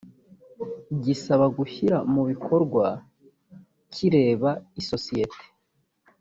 gisaba gushyira mu bikorwa kireba isosiyete